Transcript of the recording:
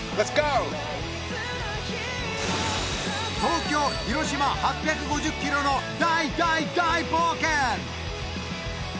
東京広島８５０ｋｍの大大大冒険！